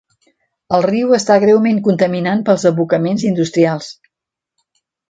El riu està greument contaminant pels abocaments industrials.